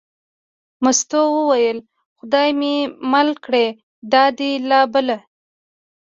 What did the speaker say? مستو وویل: خدای مې مېل کړه دا دې لا بله.